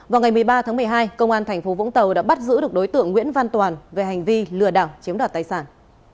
vào ngày một mươi ba tháng một mươi hai công an tp vũng tàu đã bắt giữ được đối tượng nguyễn văn toàn về hành vi lừa đảo chiếm đoạt tài sản